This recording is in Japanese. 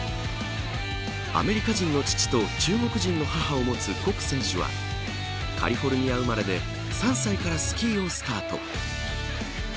アメリカ人の父と中国人の母をもつ谷選手はカリフォルニア生まれで３歳からスキーをスタート。